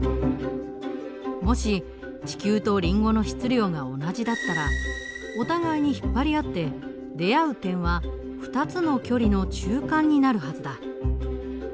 もし地球とリンゴの質量が同じだったらお互いに引っ張り合って出会う点は２つの距離の中間になるはずだ。